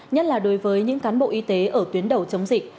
nhất là đối với những cán bộ y tế ở tuyến đầu chống dịch